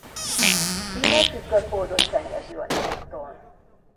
Színe függ az oldott szennyezőanyagoktól.